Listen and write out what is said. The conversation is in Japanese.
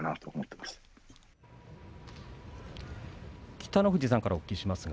北の富士さんからお聞きします。